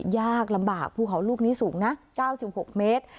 ยากลำบากภูเขาลูกนี้สูงนะ๙๖เมตร